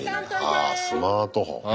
ああスマートフォン。